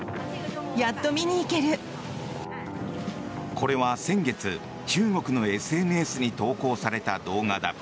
これは先月、中国のＳＮＳに投稿された動画だ。